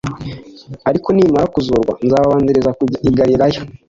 Ariko nimara kuzurwa, nzababanziriza kujya i Galilaya.”